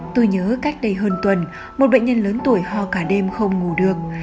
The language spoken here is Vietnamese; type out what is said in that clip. tôi nhớ cách đây hơn tuần một bệnh nhân lớn tuổi ho cả đêm không ngủ được